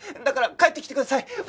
だから帰ってきてください。